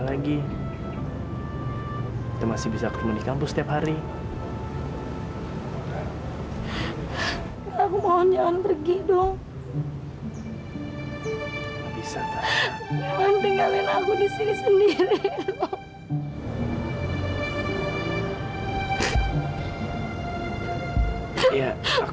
sampai jumpa di video selanjutnya